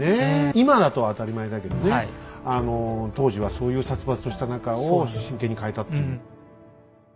今だと当たり前だけどね当時はそういう殺伐とした中を真剣に変えたっていう。